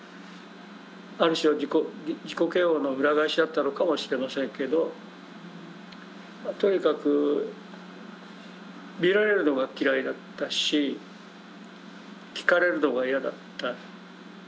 ある種の自己嫌悪の裏返しだったのかもしれませんけどとにかく見られるのが嫌いだったし聞かれるのが嫌だった。